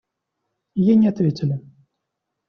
Ей не ответили.